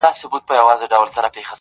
بس ده د خداى لپاره زړه مي مه خوره.